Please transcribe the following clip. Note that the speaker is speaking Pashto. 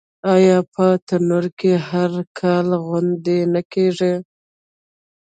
آیا په تورنټو کې هر کال غونډه نه کیږي؟